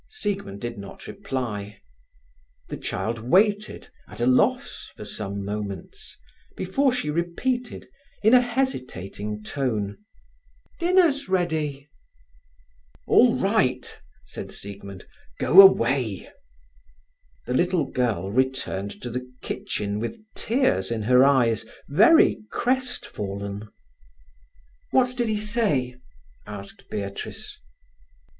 Siegmund did not reply. The child waited, at a loss for some moments, before she repeated, in a hesitating tone: "Dinner's ready." "All right," said Siegmund. "Go away." The little girl returned to the kitchen with tears in her eyes, very crestfallen. "What did he say?" asked Beatrice.